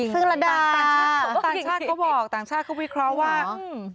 เขินละดาต่างชาติก็บอกต่างชาติก็วิเคราะห์ว่าอืม